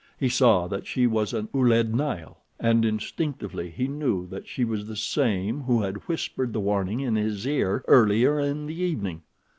He saw that she was a Ouled Nail, and instinctively he knew that she was the same who had whispered the warning in his ear earlier in the evening.